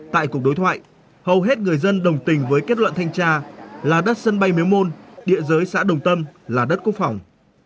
tại cuộc đối thoại hầu hết người dân đồng tình với kết luận thanh tra là đất sân bay miếu môn địa giới xã đồng tâm là đất quốc phòng